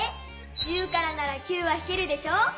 １０からなら９はひけるでしょ？